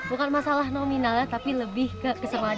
bukan masalah nominal ya tapi lebih ke keseruannya